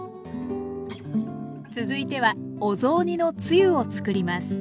続いてはお雑煮のつゆをつくります。